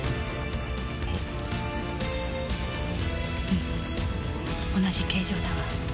うん同じ形状だわ。